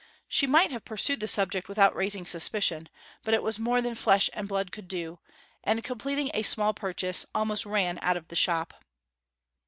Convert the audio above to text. She might have pursued the subject without raising suspicion; but it was more than flesh and blood could do, and completing a small purchase almost ran out of the shop.